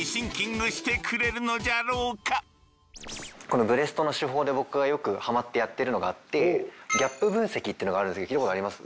このブレストの手法で僕がよくはまってやってるのがあってギャップ分析っていうのがあるんですけど聞いたことあります？